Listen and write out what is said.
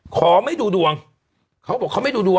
ขอไม่ดูดวงเขาบอก